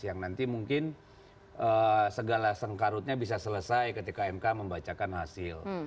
yang nanti mungkin segala sengkarutnya bisa selesai ketika mk membacakan hasil